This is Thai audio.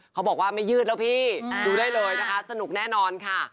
เขาบอกว่าไม่ยืดแล้วพี่ดูได้เลยนะคะสนุกแน่นอนค่ะ